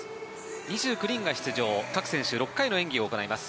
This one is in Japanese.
２９人が出場各選手６回の演技を行います。